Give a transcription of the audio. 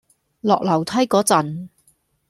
落樓梯嗰陣